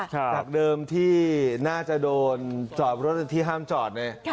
จากเดิมที่น่าจะโดนจอดรถที่ห้ามจอดเนี่ย